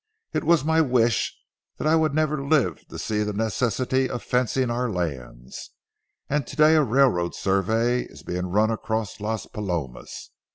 It was my wish that I would never live to see the necessity of fencing our lands, and to day a railroad survey is being run across Las Palomas.